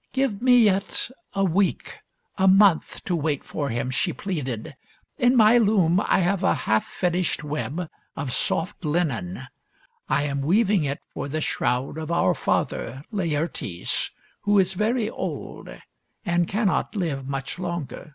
" Give me yet a week, a month, to wait for him," she pleaded. '' In my loom I have a half finished web of soft linen. I am weaving it for the shroud of our father, Laertes, who is very old and cannot live much longer.